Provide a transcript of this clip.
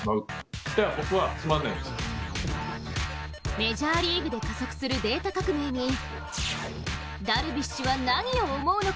メジャーリーグで加速するデータ革命にダルビッシュは何を思うのか？